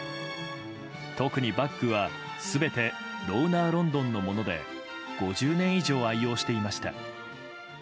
特にバッグは全てロウナーロンドンのもので５０年以上、愛用していました。